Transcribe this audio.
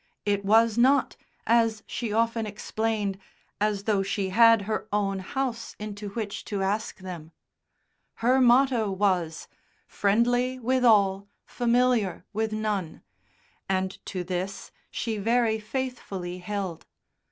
It was not, as she often explained, as though she had her own house into which to ask them. Her motto was, "Friendly with All, Familiar with None," and to this she very faithfully held.